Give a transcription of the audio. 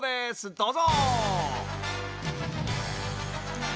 どうぞ！